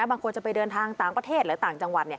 บางคนจะไปเดินทางต่างประเทศหรือต่างจังหวัด